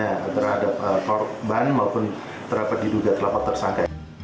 kami akan melihat bagaimana keseharian korban dan juga terlapor tersangka ini